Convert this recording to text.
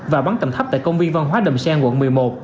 và bắn tầm thấp tại công viên văn hóa đầm xen quận một mươi một